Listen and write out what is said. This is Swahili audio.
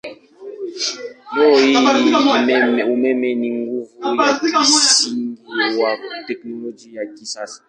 Leo hii umeme ni nguvu ya kimsingi wa teknolojia ya kisasa.